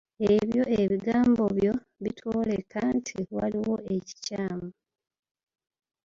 Ebyo ebigambo byo bitwoleka nti waliwo ekikyamu.